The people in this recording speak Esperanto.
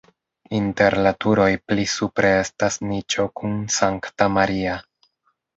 Inter la turoj pli supre estas niĉo kun Sankta Maria.